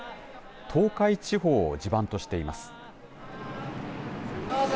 東海地方を地盤としています。